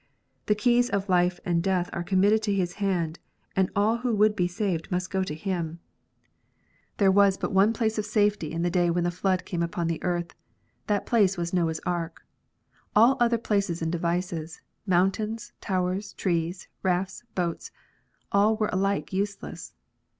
The keys of Life and Death are committed to His hand, and all who would be saved must go to Him. 28 KNOTS UNTIED. There was but one place of safety in the day when the flood canie upon the earth : that place was Noah s ark. All other places and devices, mountains, towers, trees, rafts, boats, all were alike useless.